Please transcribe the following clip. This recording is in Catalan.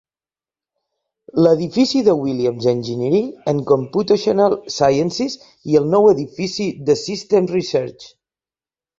L'edifici de Williams Engineering and Computational Sciences, i el nou edifici de Systems Research.